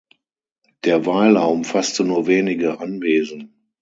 Der Weiler umfasste nur wenige Anwesen.